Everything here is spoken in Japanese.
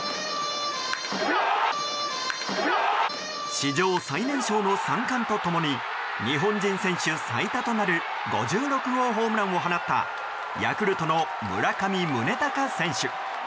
史上最年少の三冠と共に日本人選手最多となる５６号ホームランを放ったヤクルトの村上宗隆選手。